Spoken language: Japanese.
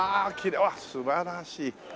うわっ素晴らしい。